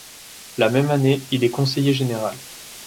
La même année, il est conseiller général.